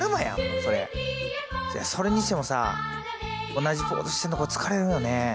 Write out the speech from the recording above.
それにしてもさ同じポーズしてるのこれ疲れるよね。